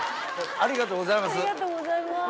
ありがとうございます。